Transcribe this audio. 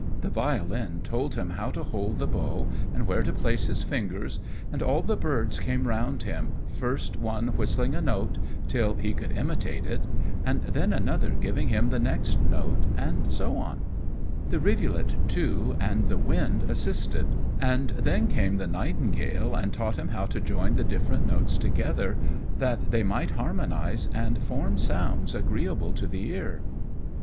The violin told him how to hold the bow and where to place his fingers; and all the birds came round him, first one whistling a note till he could imitate it, and then another giving him the next note, and so on; the rivulet, too, and the wind assisted; and then came the nightingale and taught him how to join the different notes together, that they might harmonize and form sounds agreeable to the ear.